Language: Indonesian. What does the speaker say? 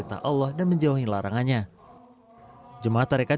pernetapan satu syawal tahun hijriah ini juga sesuai dengan kalender yang dijadikan acuan tarekat